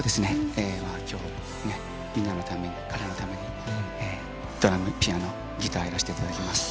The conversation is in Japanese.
きょうね、みんなのために、彼のために、ドラム、ピアノ、ギターやらせていただきます。